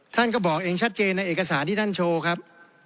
ท่านก็บอกเองชัดเจนในเอกสารที่ท่านโชว์ครับ